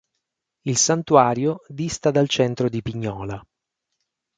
Il santuario dista dal centro di Pignola.